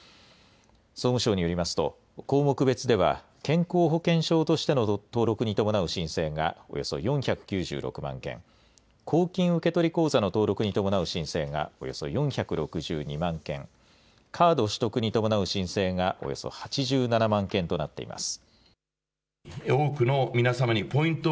総務省によりますと、項目別では、健康保険証としての登録に伴う申請がおよそ４９６万件、公金受取口座の登録に伴う申請がおよそ４６２万件、カード取得に伴う申請がおよそ８７万件となっています。